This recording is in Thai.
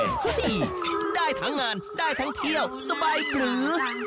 โอ้โหได้ทั้งงานได้ทั้งเที่ยวสบายปรือ